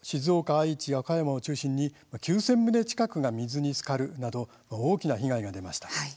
愛知、和歌山を中心に９０００棟近くが水につかるなど大きな被害が出ました。